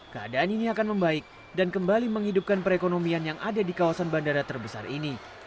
keadaan ini akan membaik dan kembali menghidupkan perekonomian yang ada di kawasan bandara terbesar ini